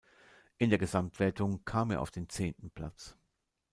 In der Gesamtwertung kam er auf den zehnten Platz.